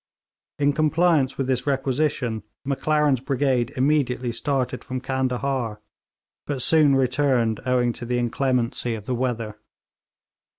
In compliance with this requisition, Maclaren's brigade immediately started from Candahar, but soon returned owing to the inclemency of the weather.